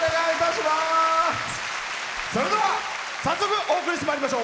それでは、早速お送りしてまいりましょう。